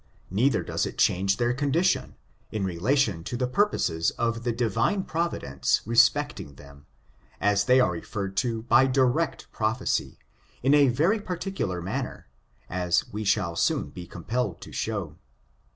Neither does it change their conditioui in relation to the purposes of the Divine providence respecting them, as they are referred to by direct, prophesy, in a very particular manner, as we shall soon be compelled to show.